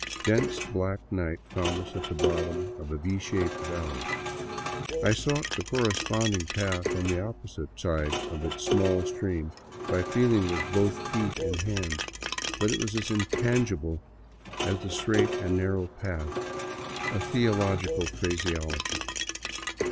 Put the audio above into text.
Dense, black night found us at the bottom of a V shaped valley. I sought the cor responding path on the opposite side of its small stream by feeling with both feet and hands, but it was as intangible as the ^' straight and narrow path "of theological phraseology.